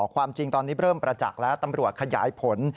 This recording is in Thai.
ความจริงตอนนี้เริ่มประจักษ์แล้วตำรวจขยายผล